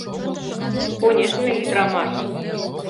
Конешне, ӱдырамаш.